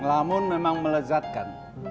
ngelamun memang melezatkan